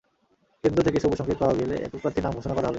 কেন্দ্র থেকে সবুজ সংকেত পাওয়া গেলে একক প্রার্থীর নাম ঘোষণা করা হবে।